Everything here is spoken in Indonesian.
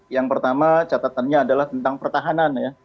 yang pertama catatannya adalah tentang pertahanan ya